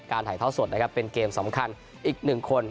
ถ่ายท่อสดนะครับเป็นเกมสำคัญอีกหนึ่งคน